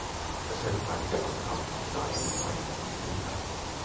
Deshalb fragen wir, was der Rat in dieser Angelegenheit unternehmen kann.